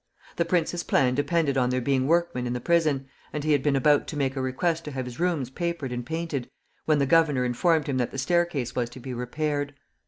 The prince's plan depended on there being workmen in the prison, and he had been about to make a request to have his rooms papered and painted, when the governor informed him that the staircase was to be repaired.